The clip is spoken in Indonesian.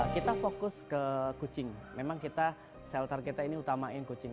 kita fokus ke kucing memang kita shelter kita ini utamain kucing